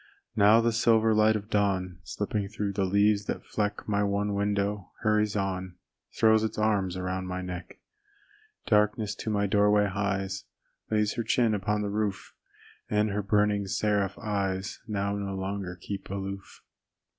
Now the silver light of dawn Slipping through the leaves that fleck My one window, hurries on, Throws its arms around my neck. Darkness to my doorway hies, Lays her chin upon the roof, And her burning seraph eyes Now no longer keep aloof.